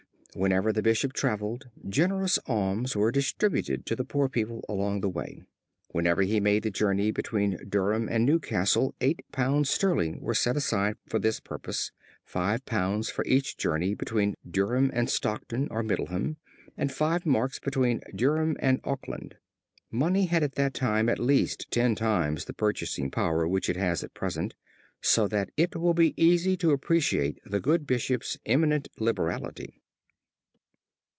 Whenever the bishop traveled generous alms were distributed to the poor people along the way. Whenever he made the journey between Durham and New Castle eight pounds sterling were set aside for this purpose; five pounds for each journey between Durham and Stockton or Middleham, and five marks between Durham and Auckland. Money had at that time at least ten times the purchasing power which it has at present, so that it will be easy to appreciate the good bishop's eminent liberality.